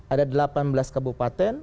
ada delapan belas kabupaten